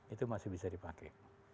itu masih bisa dipakai